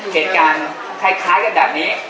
เหตุการณ์ค่ายกระดาษคือแบบนี้